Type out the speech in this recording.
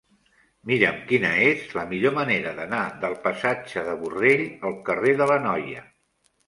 Mira'm quina és la millor manera d'anar del passatge de Borrell al carrer de l'Anoia.